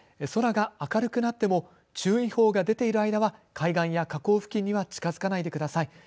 空が明るくなっても、注意報が出ている間は、海岸や河口付近には近づかないでください。